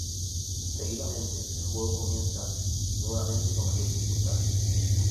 Seguidamente, el juego comienza nuevamente con mayor dificultad.